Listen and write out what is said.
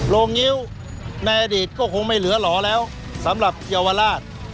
งิ้วในอดีตก็คงไม่เหลือหล่อแล้วสำหรับเยาวราช